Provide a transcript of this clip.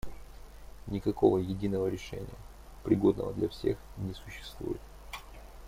Никакого единого решения, пригодного для всех, не существует.